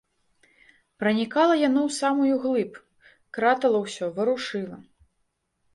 Пранікала яно ў самую глыб, кратала ўсё, варушыла.